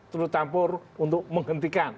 terutampur untuk menghentikan